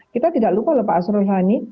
kita tidak lupa lho pak asrul sani